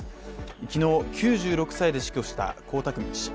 昨日、９６歳で死去した江沢民氏。